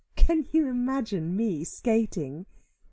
"Can you imagine me skating?"